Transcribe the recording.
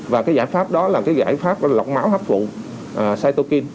và cái giải pháp đó là cái giải pháp lọc máu hấp vụ cytokine